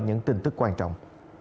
những tin tức quan trọng